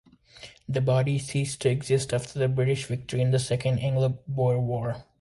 The body ceased to exist after the British victory in the Second Anglo-Boer War.